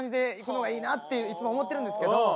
なっていつも思ってるんですけど。